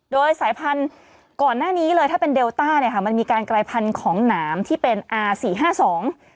โดยสายพันธุ์ก่อนหน้านี้เลยถ้าเป็นเดลต้าเนี่ยค่ะมันมีการกลายพันธุ์ของหนามที่เป็นอ่าสี่ห้าสอง